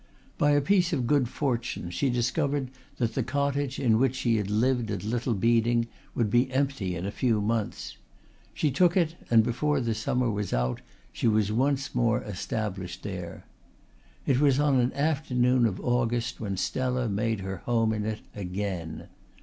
By a piece of good fortune she discovered that the cottage in which she had lived at Little Beeding would be empty in a few months. She took it and before the summer was out she was once more established there. It was on an afternoon of August when Stella made her home in it again.